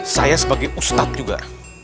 saya sebagai ustadz juga